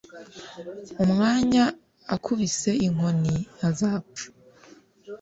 umwanya akubise inkoni azapfa